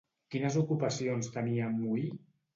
Quines ocupacions tenia en Moí?